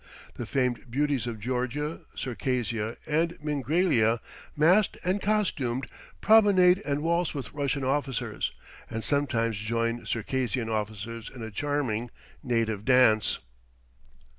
The famed beauties of Georgia, Circassia, and Mingrelia, masked and costumed, promenade and waltz with Russian officers, and sometimes join Circassian officers in a charming native dance.